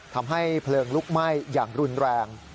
ทำให้เพลิงลุกไหม้อย่างรุนแรง